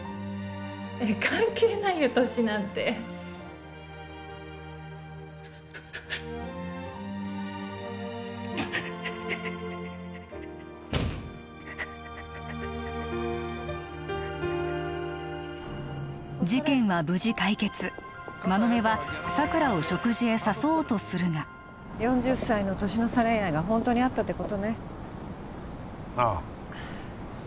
関係ないよ年なんて事件は無事解決馬目は佐久良を食事へ誘おうとするが４０歳の年の差恋愛がホントにあったってことねああ